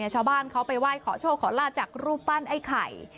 ชาวบ้านเขาไปไหว้ขอโชคขอลาบจากรูปปั้นไอ้ไข่